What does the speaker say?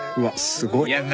すごいよな。